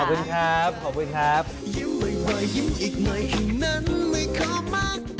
สวัสดีค่ะขอบคุณครับขอบคุณครับ